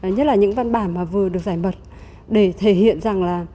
nhất là những văn bản mà vừa được giải mật để thể hiện rằng là